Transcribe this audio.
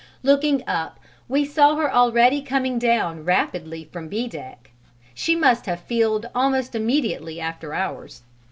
Looking up we saw her already coming down rapidly from B deck: she must have filled almost immediately after ours.